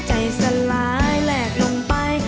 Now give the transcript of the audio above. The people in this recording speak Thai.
ใจสลายแหลกลงไป